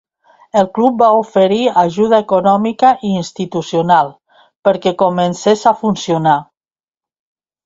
El club va oferir ajuda econòmica i institucional perquè comencés a funcionar.